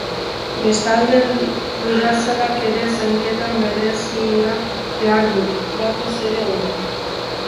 Bestalde, larruazalak ere zainketa berezia behar du, batez ere udan.